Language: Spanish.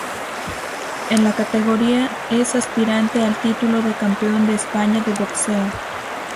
En la categoría es aspirante al título de Campeón de España de boxeo.